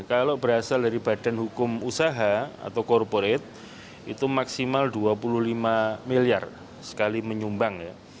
kalau berasal dari badan hukum usaha atau korporate itu maksimal dua puluh lima miliar sekali menyumbang ya